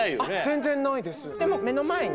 全然ないですでも。